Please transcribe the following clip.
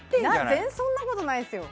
全然そんなことないですよ。